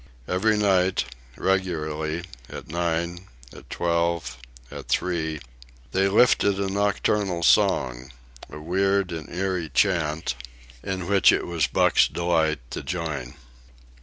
Every night, regularly, at nine, at twelve, at three, they lifted a nocturnal song, a weird and eerie chant, in which it was Buck's delight to join.